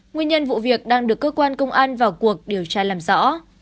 nguyên nhân vụ việc đang được cơ quan công an vào cuộc điều tra làm rõ